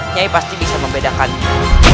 nyari pasti bisa membedakannya